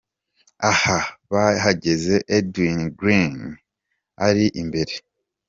Aha bahageze Edwin Greene ari imbere .